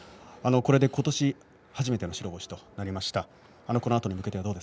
これでことし初めての白星となりました。